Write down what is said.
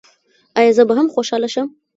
ایا زه به هم خوشحاله شم؟